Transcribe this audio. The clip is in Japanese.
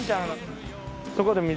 そこで水。